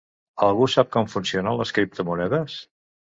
Algú sap com funcionen les criptomonedes?